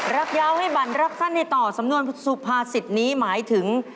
รักยาวให้บั่นรักสั้นในต่อสำนวนสุภาษิตนี้หมายถึง